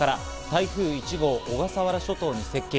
台風１号、小笠原諸島に接近。